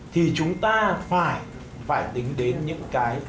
thì chúng ta phải tính đến các hành vi